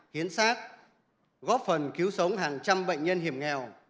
hiến sát góp phần cứu sống hàng trăm bệnh nhân hiểm nghèo